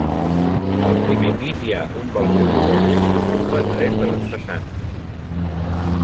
Al primer pis hi ha un balcó corregut que ocupa tres de les façanes.